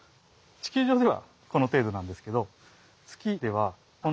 地球上ではこの程度なんですけどへえ。